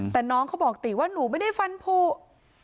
แต่น้องเขาบอกติว่าหนูไม่ได้ฟันผูก